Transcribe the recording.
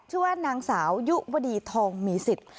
ชื่อนางสาวยุวดีทองมีศิษย์